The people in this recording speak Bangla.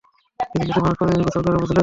কিছু কিছু মানুষ প্রতিদিন গোসল করে, বুঝলে?